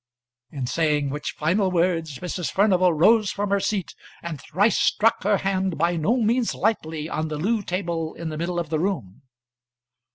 In saying which final words Mrs. Furnival rose from her seat, and thrice struck her hand by no means lightly on the loo table in the middle of the room.